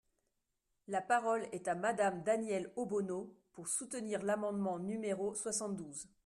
La parole est à Madame Danièle Obono, pour soutenir l’amendement numéro soixante-douze.